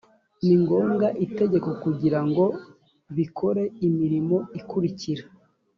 ni ngombwa itegeko kugira ngo bikore imirimo ikurikira